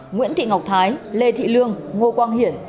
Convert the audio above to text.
nguyễn thị ngọc thái lê thị lương ngô quang hiển